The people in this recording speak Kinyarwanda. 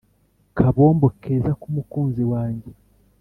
Kabombo keza kumukunzi wanjye